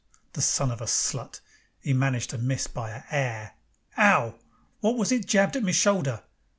_ The son of a slut! 'E managed to miss by a 'air. 'Ow! Wot was it jabbed at me shoulder?